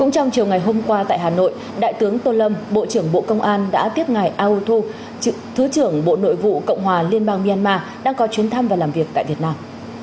trong chiều ngày hôm qua tại hà nội đại tướng tô lâm bộ trưởng bộ công an đã tiếp ngài autu thứ trưởng bộ nội vụ cộng hòa liên bang myanmar đang có chuyến thăm và làm việc tại việt nam